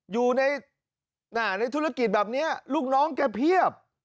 อยู่ในธุรกิจแบบนี้ลูกน้องแกเพียบ